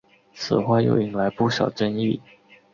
此话又引来不少争议。